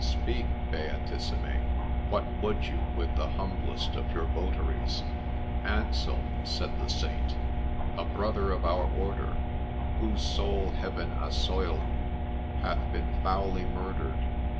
Speak, Beatissime I what would you with the humblest of your vo taries ?'' Anselm '' said the Saint, ' a brother of our order, whose soul Heaven assoilzie ! hath been foully murdered.